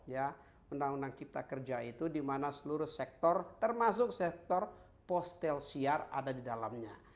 ya undang undang cipta kerja itu di mana seluruh sektor termasuk sektor postel siar ada di dalamnya